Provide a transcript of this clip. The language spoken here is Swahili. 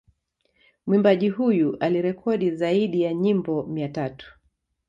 Mwimbaji huyu alirekodi zaidi ya nyimbo mia tatu